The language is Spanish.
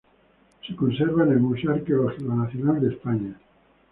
Se conserva en el Museo Arqueológico Nacional de España.